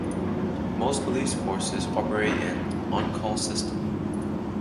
Most police forces operate an "on call" system.